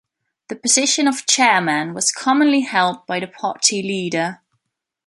The position of chairman was commonly held by the party leader.